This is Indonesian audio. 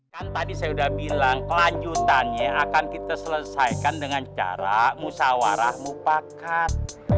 kan tadi saya sudah bilang kelanjutannya akan kita selesaikan dengan cara musawarah mupakat